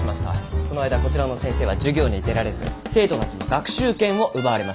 その間こちらの先生は授業に出られず生徒たちも学習権を奪われました。